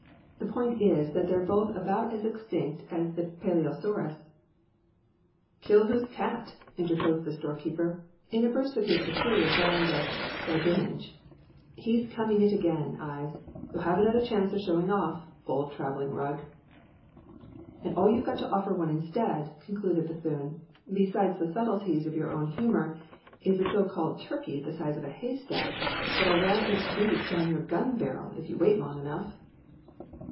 The point is that they're both about as extinct as the plesiosaurus " "Kill whose cat?" interposed the storekeeper in a burst of his peculiar brand of badinage. "He's coming it again, Ives; you'll have another chance of showing off, old travelling rug!" "And all you've got to offer one instead," concluded Bethune, "besides the subtleties of your own humour, is a so called turkey the size of a haystack, that'll ram its beak down your gun barrel if you wait long enough."